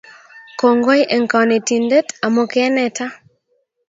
Kongoi eng konetindet amu keneta